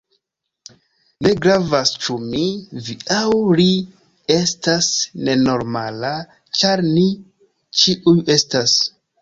Ne gravas ĉu mi, vi aŭ ri estas nenormala, ĉar ni ĉiuj estas.